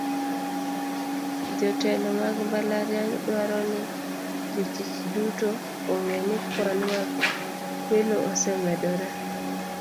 Jotelo mag mbalariany dwaro ni jotich duto ong'e ni kwan mag kwelo osemedore.